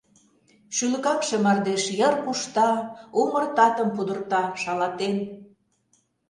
Шӱлыкаҥше мардеж йыр кушта, умыр татым Пудырта шалатен.